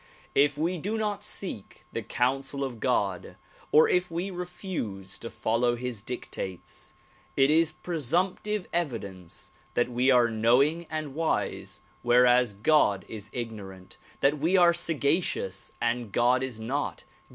If we do not seek the counsel of God or if we refuse to follow his dictates it is presumptive evidence that we are knowing and wise whereas God is ignorant; that we are sagacious and God is not.